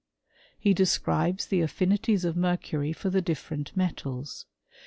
f describes the affinities of mercury for the differ metals.